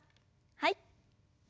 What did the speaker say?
はい。